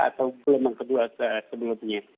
atau gelombang kedua sebelumnya